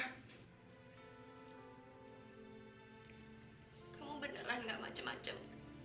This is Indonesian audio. kamu beneran gak macem macem